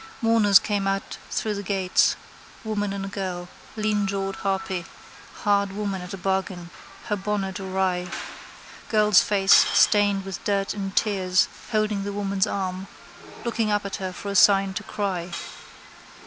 Mourners came out through the gates: woman and a girl. Leanjawed harpy, hard woman at a bargain, her bonnet awry. Girl's face stained with dirt and tears, holding the woman's arm, looking up at her for a sign to cry.